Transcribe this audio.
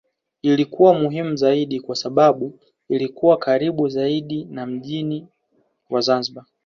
Ilikuwa muhimu zaidi kwa sababu ilikuwa karibu zaidi na mji wa Zanzibar